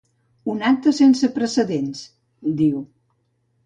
Un acte sense precedents, diu.